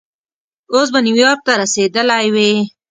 اوس به نیویارک ته رسېدلی وې.